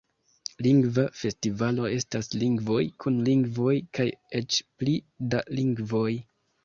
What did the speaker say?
Lingva Festivalo estas lingvoj, kun lingvoj, kaj eĉ pli da lingvoj.